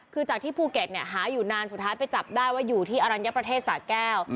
คือจากที่ภูเก็ตเนี่ยหาอยู่นานสุดท้ายไปจับได้ว่าอยู่ที่อรัญญประเทศสาแก้ว